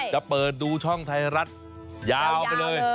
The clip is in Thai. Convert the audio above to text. จะเปิดดูช่องไทยรัฐยาวไปเลย